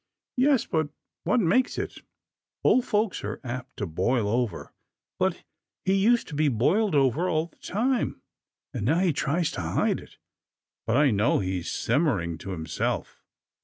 " Yes, but what makes it — old folks are apt to boil over, but he used to be boiled over all the time, and now he tries to hide it, but I know he's sim mering to himself."